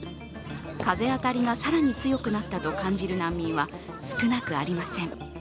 風当たりが更に強くなったと感じる難民は少なくありません。